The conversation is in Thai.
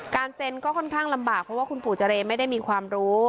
เซ็นก็ค่อนข้างลำบากเพราะว่าคุณปู่เจรไม่ได้มีความรู้